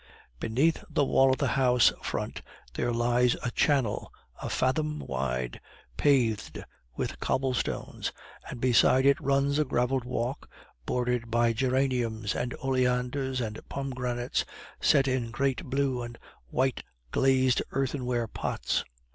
Beneath the wall of the house front there lies a channel, a fathom wide, paved with cobble stones, and beside it runs a graveled walk bordered by geraniums and oleanders and pomegranates set in great blue and white glazed earthenware pots.